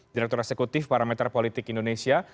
direktur eksekutif parameter politik indonesia